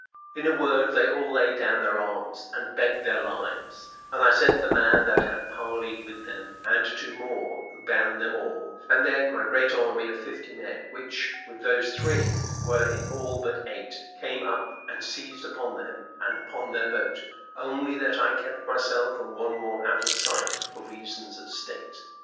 In a word, they all laid down their arms and begged their lives; and I sent the man that had parleyed with them, and two more, who bound them all; and then my great army of fifty men, which, with those three, were in all but eight, came up and seized upon them, and upon their boat; only that I kept myself and one more out of sight for reasons of state.